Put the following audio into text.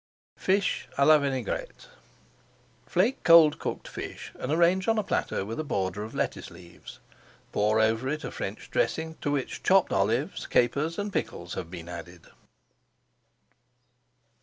FISH À LA VINAIGRETTE Flake cold cooked fish and arrange on a platter with a border of lettuce leaves. Pour over it a French dressing to which chopped olives, capers, and pickles have been added.